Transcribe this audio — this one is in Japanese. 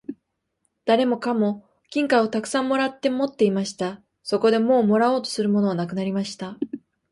誰もかも金貨をたくさん貰って持っていました。そこでもう貰おうとするものはなくなりました。